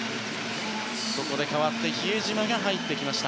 ここで代わって比江島が入りました。